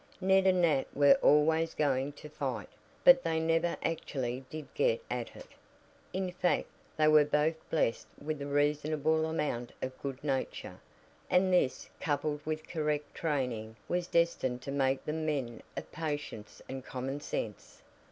Ned and Nat were always going to "fight," but they never actually did get at it. In fact, they were both blessed with a reasonable amount of good nature, and this, coupled with correct training, was destined to make them men of patience and common sense.